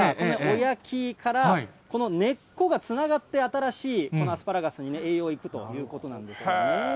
親木からこの根っこがつながって、新しいこのアスパラガスに栄養が行くということなんですね。